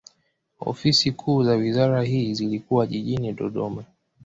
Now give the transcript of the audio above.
Ofisi kuu za wizara hii zilikuwa jijini Dodoma.